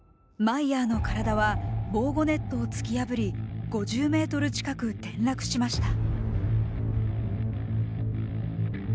マイヤーの体は防護ネットを突き破り５０ｍ近く転落しました。